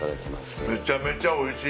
めちゃめちゃおいしい！